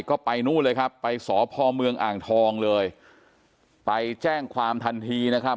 ก็ไปนู่นเลยครับไปสพเมืองอ่างทองเลยไปแจ้งความทันทีนะครับ